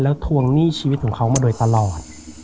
แล้วทวงหนี้ชีวิตของเขามาโดยตลอด